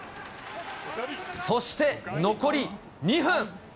そして、残り２分。